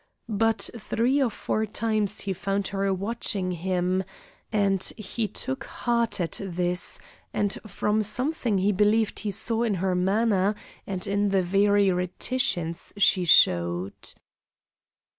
But three or four times he found her watching him, and he took heart at this and from something he believed he saw in her manner and in the very reticence she showed.